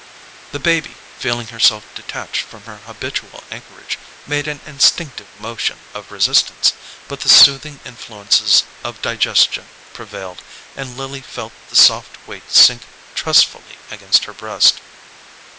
The baby, feeling herself detached from her habitual anchorage, made an instinctive motion of resistance; but the soothing influences of digestion prevailed, and Lily felt the soft weight sink trustfully against her breast.